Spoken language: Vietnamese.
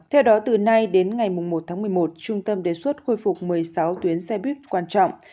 theo đó từ nay đến ngày một tháng một mươi một trung tâm đề xuất khôi phục một mươi sáu tuyến xe buýt quan trọng